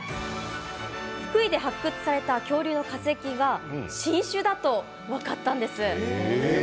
福井で発掘された恐竜の化石が新種だと分かったんです。